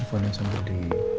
telfonnya sampai di